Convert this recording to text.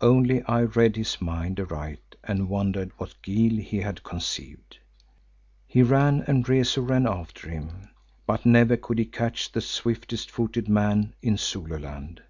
Only I read his mind aright and wondered what guile he had conceived. He ran, and Rezu ran after him, but never could he catch the swiftest footed man in Zululand.